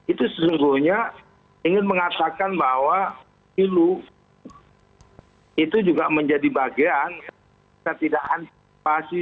itu sesungguhnya ingin mengatakan bahwa ilu itu juga menjadi bagian ketidakantisipasi